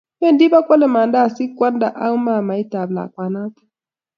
bendi bukoale mandasik kwanda ago mamaetab lakwanata